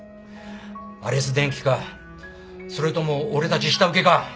アレス電機かそれとも俺たち下請けか。